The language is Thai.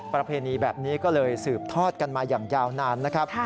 ประเพณีแบบนี้ก็เลยสืบทอดกันมาอย่างยาวนานนะครับ